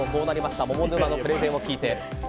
モモ沼のプレゼンを聞いて。